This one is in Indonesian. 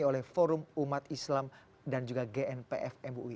seperti kata semua lembaga survei